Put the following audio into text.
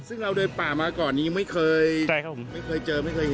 ซึ่งเราเดินป่ามาก่อนยังไม่เคยเจอไม่เคยเห็นเลยใช่ไหมครับ